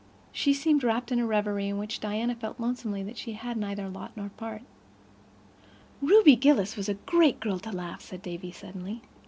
She seemed wrapped in a reverie in which Diana felt lonesomely that she had neither lot nor part. "Ruby Gillis was a great girl to laugh," said Davy suddenly.